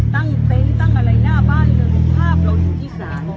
เต็นต์ตั้งอะไรหน้าบ้านเลยภาพเราอยู่ที่ศาล